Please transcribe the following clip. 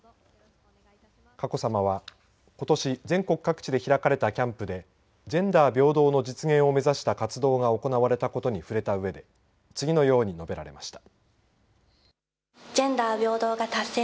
佳子さまは、ことし全国各地で開かれたキャンプでジェンダー平等の実現を目指した活動が行われたことに触れたうえで次のように述べられました。